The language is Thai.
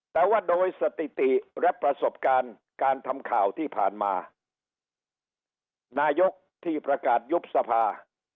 แต่ว่าโดยสถิติและประสบการณ์การทำข่าวที่ผ่านมานายกที่ประกาศยุบสภา